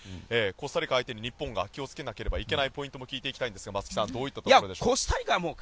コスタリカ相手に日本が気を付けなくてはいけないポイントも聞いていきたいんですが松木さんどんなところでしょう。